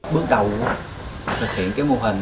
bước đầu thực hiện mô hình